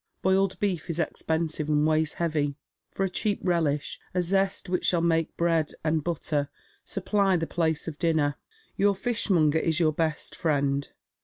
Boiled beef is expensive and weighs heavy. For a cheap relish, a zest which shall make bread and butter supply the place of dinner, your fishmonger is j'our best fiiend.